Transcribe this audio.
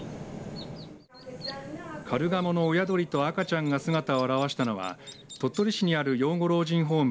カルガモの親鳥と赤ちゃんが姿を現したのは鳥取市にある養護老人ホーム